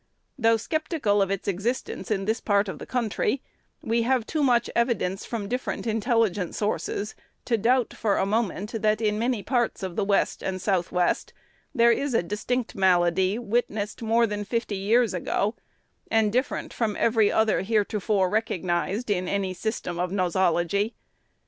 Though sceptical of its existence in this part of the country, we have too much evidence from different intelligent sources to doubt, for a moment, that, in many parts of the West and South west, there is a distinct malady, witnessed more than fifty years ago, and different from every other heretofore recognized in any system of Nosology.